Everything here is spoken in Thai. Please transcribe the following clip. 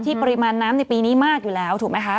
ปริมาณน้ำในปีนี้มากอยู่แล้วถูกไหมคะ